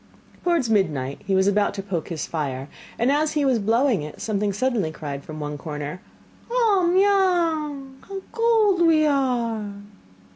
Towards midnight he was about to poke his fire, and as he was blowing it, something cried suddenly from one corner: 'Au, miau! how cold we are!